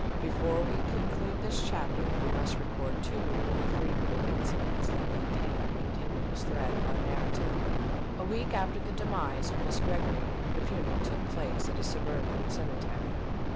Before we conclude this chapter we must record two or three little incidents that maintain the continuous thread of our narrative. A week after the demise of Miss Gregory, the funeral took place at a suburban cemetery.